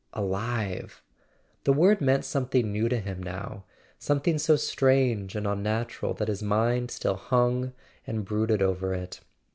Alive! The word meant something new to him now—something so strange and unnatural that his mind still hung and brooded over it.